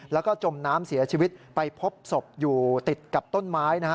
แล้วก็จมน้ำเสียชีวิตไปพบศพอยู่ติดกับต้นไม้นะฮะ